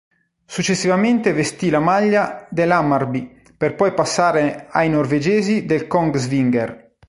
Successivamente vestì la maglia dell'Hammarby, per poi passare ai norvegesi del Kongsvinger.